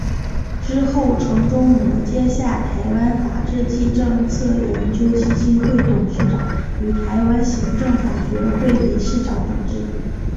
之后城仲模接下台湾法治暨政策研究基金会董事长与台湾行政法学会理事长等职。